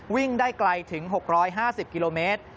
วิ่งได้ไกลถึง๖๕๐กิโลเมตร